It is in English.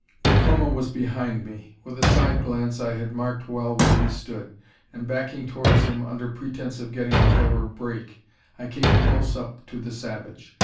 Dacoma was behind me. With a side glance I had marked well where he stood; and backing towards him, under pretence of getting a fairer "break," I came close up to the savage.